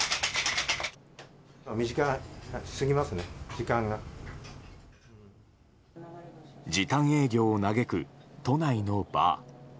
時短営業を嘆く、都内のバー。